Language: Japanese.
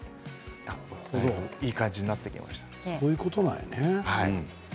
いい感じになってきましたね。